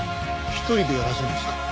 一人でやらせるんですか？